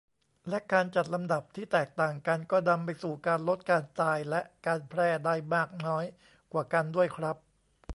และการจัดลำดับที่แตกต่างกัน ก็นำไปสู่การลดการตายและการแพร่ได้มากน้อยกว่ากันด้วยครับ